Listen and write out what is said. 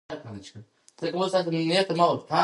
ازادي راډیو د طبیعي پېښې لپاره د مرستو پروګرامونه معرفي کړي.